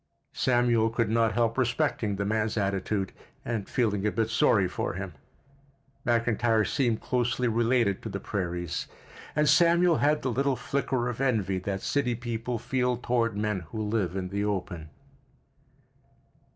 Samuel could not help respecting the man's attitude, and feeling a bit sorry for him. McIntyre seemed closely related to the prairies, and Samuel had the little flicker of envy that city people feel toward men who live in the open.